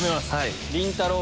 りんたろー。